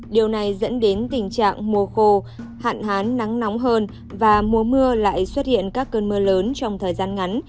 điều này dẫn đến tình trạng mùa khô hạn hán nắng nóng hơn và mùa mưa lại xuất hiện các cơn mưa lớn trong thời gian ngắn